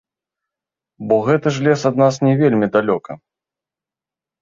Бо гэты ж лес ад нас не вельмі далёка.